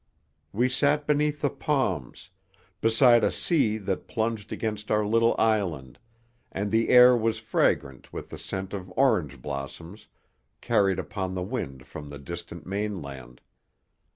We sat beneath the palms, beside a sea that plunged against our little island, and the air was fragrant with the scent of orange blossoms, carried upon the wind from the distant mainland.